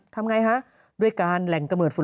โทษเอ็นดู